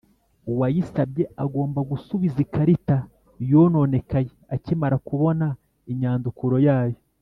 uwayisabye agomba gusubiza ikarita yononekaye akimara kubona inyandukuro yayo.